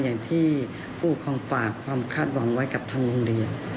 อย่างที่ผู้ปกครองฝากความคาดหวังไว้กับทางโรงเรียน